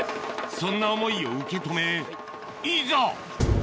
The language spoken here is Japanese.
そんな思いを受け止めいざ！